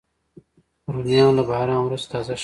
رومیان له باران وروسته تازه ښکاري